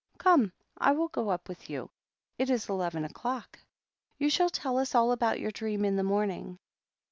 Come, I will go up with you ; it is eleven o'clock. You shall tell us all about your dream in the morning."